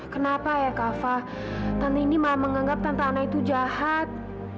kenapa ya kava tante indi malah menganggap tante ana itu jahat